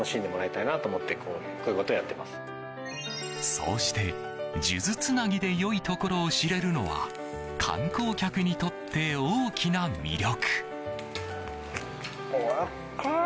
そうして数珠つなぎで良いところを知れるのは観光客にとって大きな魅力。